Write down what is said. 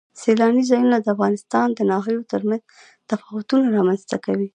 سیلانی ځایونه د افغانستان د ناحیو ترمنځ تفاوتونه رامنځ ته کوي.